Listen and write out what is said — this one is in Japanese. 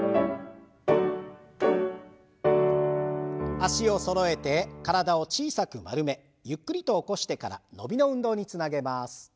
脚をそろえて体を小さく丸めゆっくりと起こしてから伸びの運動につなげます。